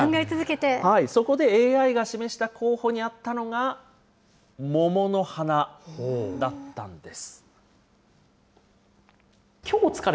そこで、ＡＩが示した候補にあったのが、桃の花だったんです。